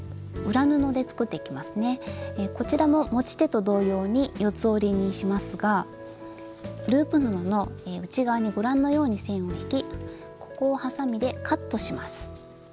こちらも持ち手と同様に四つ折りにしますがループ布の内側にご覧のように線を引きここをはさみでカットします。